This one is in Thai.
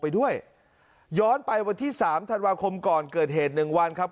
ไปด้วยย้อนไปวันที่สามธันวาคมก่อนเกิดเหตุหนึ่งวันครับ